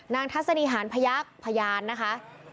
นางทัศนีหานพระยักษณ์ภรรยาชนะครับ